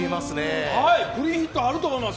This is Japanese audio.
クリーンヒットあると思います。